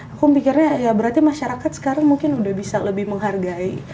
aku mikirnya ya berarti masyarakat sekarang mungkin udah bisa lebih menghargai